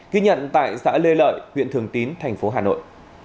ghi nhận tại xã lê lợi huyện thường tín tp hà nội